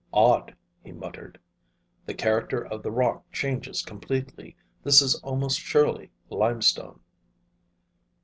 "Odd," he muttered. "The character of the rock changes completely. This is almost surely limestone."